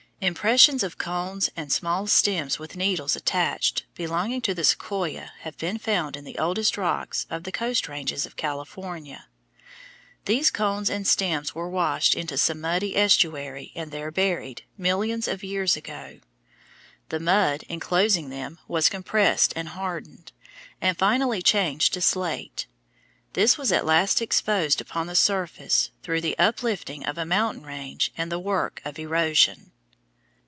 Impressions of cones and small stems with needles attached belonging to the Sequoia have been found in the oldest rocks of the Coast ranges of California. These cones and stems were washed into some muddy estuary and there buried, millions of years ago. The mud inclosing them was compressed and hardened, and finally changed to slate. This was at last exposed upon the surface through the uplifting of a mountain range and the work of erosion.